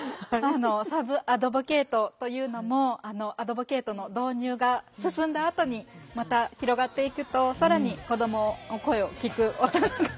サブアドボケイトというのもアドボケイトの導入が進んだあとにまた広がっていくと更に子どもの声を聴く大人が。